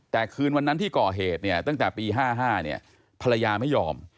แต่คืนวันนั้นที่ก่อเหตุเนี่ยตั้งแต่ปี๕๕เนี่ยภรรยาไม่ยอม